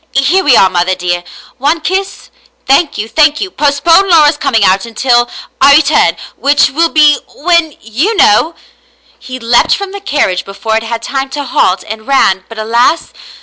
Here we are, mother dear. One kiss ? Thank you, thank you. Postpone Laura's coming out until — I return — which will be — when — vou know." He leaped from the carriage before it had time to halt, and ran, but alas